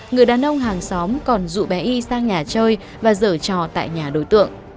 người đàn ông hàng xóm còn rủ bé y sang nhà chơi và dở trò tại nhà đối tượng